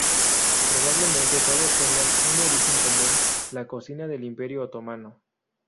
Probablemente todos tengan un origen común, la cocina del Imperio Otomano.